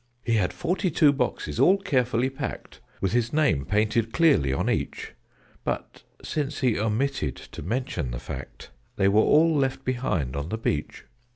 He had forty two boxes, all carefully packed, With his name painted clearly on each: But since he omitted to mention the fact, They were all left behind on the beach.